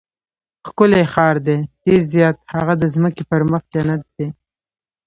ښکلی ښار دی؟ ډېر زیات، هغه د ځمکې پر مخ جنت دی.